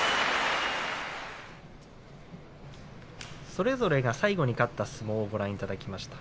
それぞれが最後に勝った相撲をご覧いただきました。